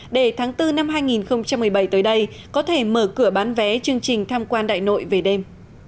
để tháng bốn năm hai nghìn một mươi bảy tới đây có thể mở cửa bán vé chương trình tham quan đại nội về đêm